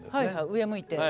上向いて。